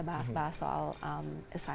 bahas bahas soal tugas